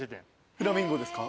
フラミンゴですか？